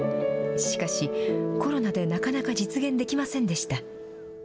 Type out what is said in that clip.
しかし、コロナでなかなか実現できませんでした。